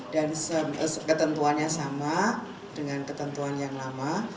dan ketentuannya sama dengan ketentuan yang lama